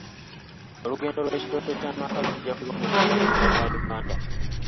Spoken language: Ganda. Olugendo lw'ekirooto ky'amaka lujja kuba mu bugwanjuba bwa Uganda.